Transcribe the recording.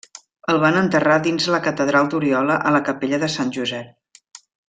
El van enterrar dins la catedral d'Oriola a la capella de Sant Josep.